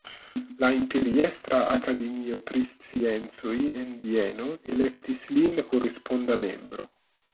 La Imperiestra akademio pri sciencoj en Vieno elektis lin koresponda membro.